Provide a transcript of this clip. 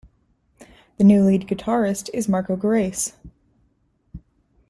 The new lead guitarist is Marco Gerace.